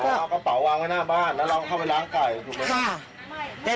ผมเอากระเป๋าวางไว้หน้าบ้านแล้วเราเข้าไปล้างไก่ถูกไหม